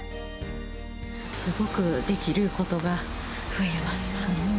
すごくできることが増えました。